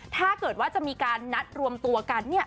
ถ้าเกิดว่าจะมีการนัดรวมตัวกัน